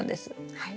はい。